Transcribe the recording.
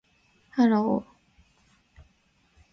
Hello